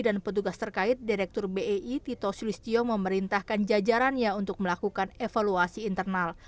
dan petugas terkait direktur bei tito sulistyo memerintahkan jajarannya untuk melakukan evaluasi internal